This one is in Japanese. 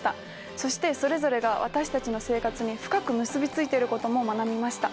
そしてそれぞれが私たちの生活に深く結び付いてることも学びました。